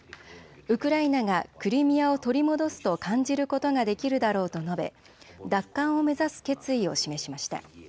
ウクライナがクリミアを取り戻すと感じることができるだろうと述べ奪還を目指す決意を示しました。